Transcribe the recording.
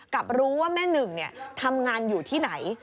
กับรู้ว่าแม่หนึ่งทำงานอยู่ที่ไหน